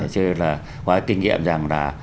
chưa là hoặc là kinh nghiệm rằng là